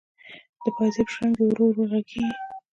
د پایزیب شرنګ دی ورو ورو ږغیږې